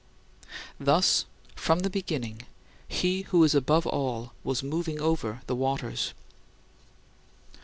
Thus, from the beginning, he who is above all was "moving over" the waters.